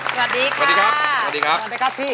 สวัสดีครับพี่